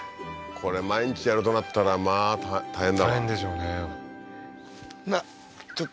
これ毎日やるとなったらまあ大変だわ大変でしょうね